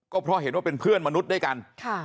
ก็เพราะเห็นว่าเป็นเพื่อนมนุษย์ด้วยกัน